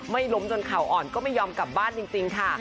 ไม่ล้มจนเขาอ่อนก็ไม่ยอมกลับบ้านจริงค่ะ